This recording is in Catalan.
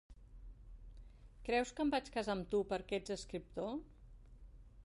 Creus que em vaig casar amb tu perquè ets escriptor?